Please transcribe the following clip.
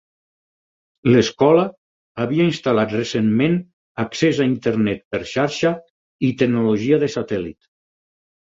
L'escola havia instal·lat recentment accés a Internet per xarxa i tecnologia de satèl·lit.